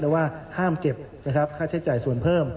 แล้วว่าห้ามเก็บค่าใช้จ่ายส่วนเพิ่ม